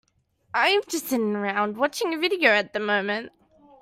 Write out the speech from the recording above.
I'm just sitting around watching a video at the moment.